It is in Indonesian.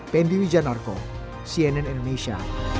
pendi wijanarko cnn indonesia